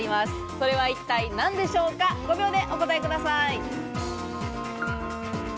それは一体何でしょうか、５秒でお答えください。